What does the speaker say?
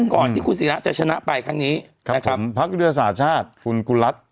ก่อนที่คุณศิละจะชนะไปครั้งนี้ครับผมพรรคฤทธิศาสตร์ชาติคุณรัฐ